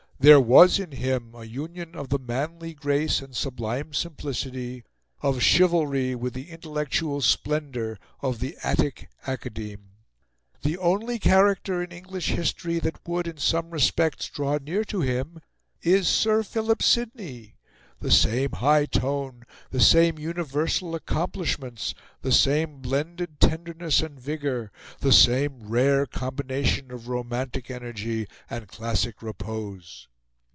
There was in him a union of the manly grace and sublime simplicity, of chivalry with the intellectual splendour of the Attic Academe. The only character in English history that would, in some respects, draw near to him is Sir Philip Sidney: the same high tone, the same universal accomplishments, the same blended tenderness and vigour, the same rare combination of romantic energy and classic repose."